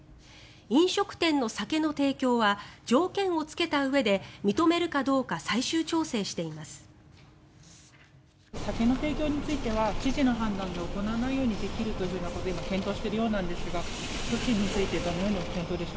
飲食店の酒の提供は条件をつけたうえで認めるかどうか最終調整しています。